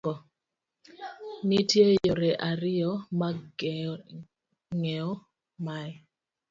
Nitie yore ariyo mag geng'o mae